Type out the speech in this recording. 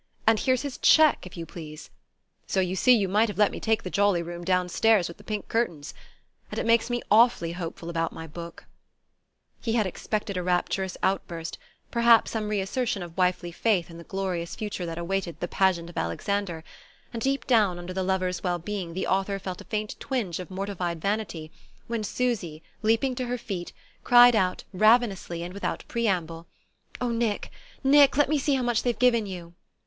And here's his cheque, if you please! So you see you might have let me take the jolly room downstairs with the pink curtains. And it makes me awfully hopeful about my book." He had expected a rapturous outburst, and perhaps some reassertion of wifely faith in the glorious future that awaited The Pageant of Alexander; and deep down under the lover's well being the author felt a faint twinge of mortified vanity when Susy, leaping to her feet, cried out, ravenously and without preamble: "Oh, Nick, Nick let me see how much they've given you!"